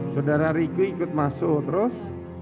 saudara riku ikut masuk terus